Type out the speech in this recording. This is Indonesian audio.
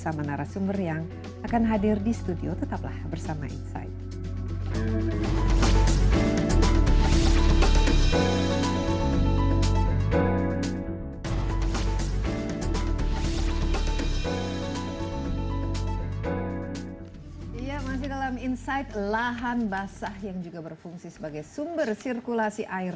masih dalam insight lahan basah yang juga berfungsi sebagai sumber sirkulasi air